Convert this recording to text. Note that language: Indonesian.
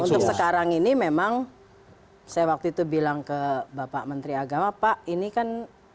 untuk sekarang ini memang saya waktu itu bilang ke bapak menteri agama pak ini kan